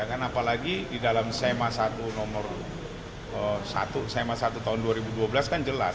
apalagi di dalam sema satu tahun dua ribu dua belas kan jelas